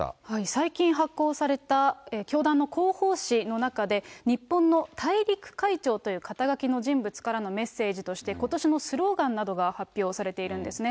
最近発行された教団の広報誌の中で、日本の大陸会長という肩書きの人物からのメッセージとして、ことしのスローガンなどが発表されているんですね。